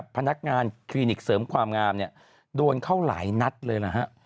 พนักงานคลินิกเสริมความงามเนี่ยโดนเข้าหลายนัดเลยนะฮะ